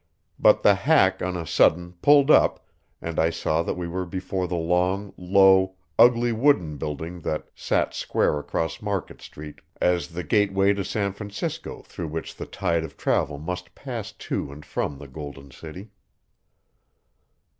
But the hack on a sudden pulled up, and I saw that we were before the long, low, ugly wooden building that sat square across Market Street as the gateway to San Francisco through which the tide of travel must pass to and from the Golden City.